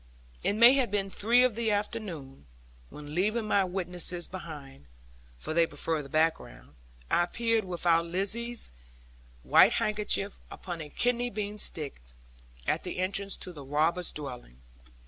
It may have been three of the afternoon, when leaving my witnesses behind (for they preferred the background) I appeared with our Lizzie's white handkerchief upon a kidney bean stick, at the entrance to the robbers' dwelling.